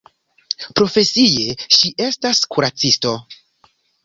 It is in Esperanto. Profesie ŝi estas kuracisto.